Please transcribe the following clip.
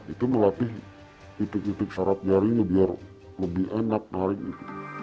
itu melatih titik titik syarat jarinya biar lebih enak nyarinya